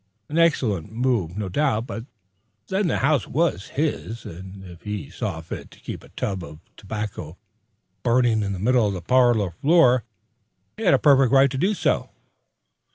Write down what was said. An excellent move, no doubt; but then the house was his, and if he saw fit to keep a tub of tobacco burning in the middle of the parlor floor, he had a perfect right to do so.